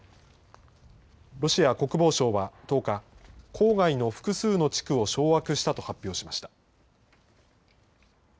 ロシア国防省は１０日、郊外の複数の地区を掌握したと発表しました。